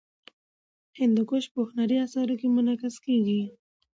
هندوکش په هنري اثارو کې منعکس کېږي.